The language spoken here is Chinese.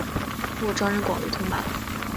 父张仁广为通判。